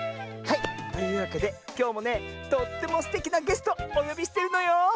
はいというわけできょうもねとってもすてきなゲストおよびしてるのよ。